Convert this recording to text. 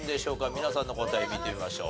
皆さんの答え見てみましょう。